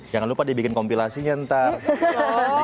jangan lupa dibikin kompilasinya ntar